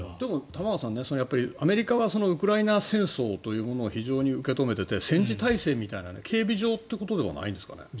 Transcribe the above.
玉川さん、アメリカはウクライナ戦争というものを非常に受け止めていて戦時体制みたいな警備上ってことではないんですか？